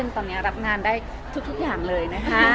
ตอนนี้รับงานได้ทุกอย่างเลยนะคะ